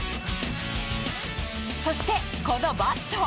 そして、このバット。